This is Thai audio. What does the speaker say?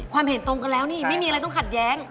เห็นตรงกันแล้วนี่ไม่มีอะไรต้องขัดแย้ง